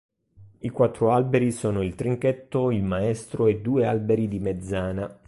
I quattro alberi sono: il trinchetto, il maestro, e due alberi di mezzana.